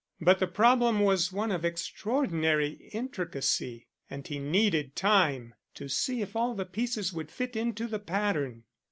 But the problem was one of extraordinary intricacy, and he needed time to see if all the pieces would fit into the pattern.